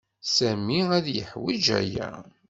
Sami ad yeḥwij aya.